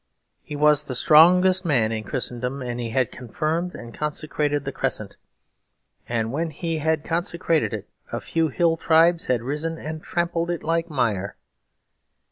He was the strongest man in Christendom; and he had confirmed and consecrated the Crescent. And when he had consecrated it a few hill tribes had risen and trampled it like mire.